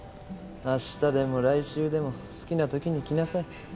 明日でも来週でも好きな時に来なさい。